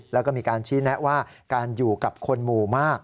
แล้วก็มีการชี้แนะว่าการอยู่กับคนหมู่มาก